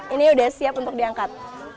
ini udah siap untuk diangkat